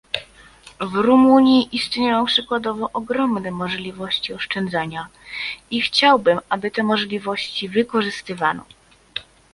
W Rumunii istnieją przykładowo ogromne możliwości oszczędzania i chciałbym, aby te możliwości wykorzystywano